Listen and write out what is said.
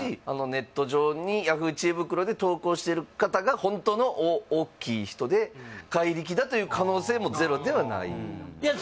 ネット上にＹａｈｏｏ！知恵袋で投稿してる方がホントのおっきい人で怪力だという可能性もゼロではないいや